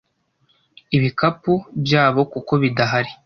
ibikapu byabo kuko bidahari